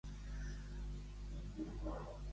Em fas el favor de dir-me un acudit que tracti de dofins?